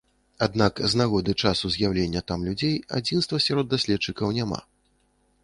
Аднак з нагоды часу з'яўлення там людзей адзінства сярод даследчыкаў няма.